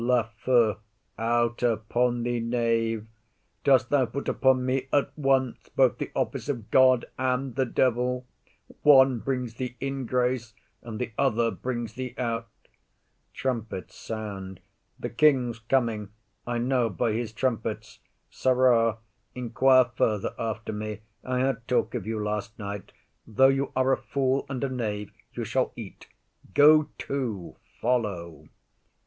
LAFEW. Out upon thee, knave! dost thou put upon me at once both the office of God and the devil? One brings thee in grace, and the other brings thee out. [Trumpets sound.] The king's coming; I know by his trumpets. Sirrah, inquire further after me. I had talk of you last night; though you are a fool and a knave, you shall eat. Go to; follow.